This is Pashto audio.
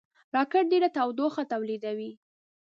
راکټ ډېره تودوخه تولیدوي